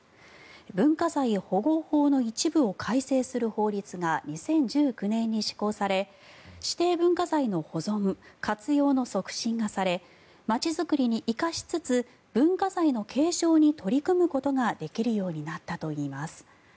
文化財保護法の一部を改正する法律が２０１９年に施行され指定文化財の保存・活用の促進がされ街づくりに生かしつつ文化財の継承に取り組むことができるようになったといいます。